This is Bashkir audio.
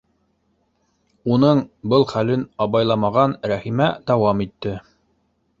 Уның был хәлен абайламаған Рәхимә дауам итте: